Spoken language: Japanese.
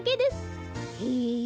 へえ。